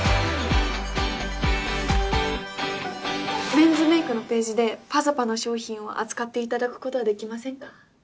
メンズメイクのページで「ｐａｚａｐａ」の商品を扱っていただくことはできませんか？